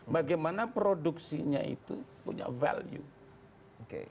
bagaimana produksinya itu punya value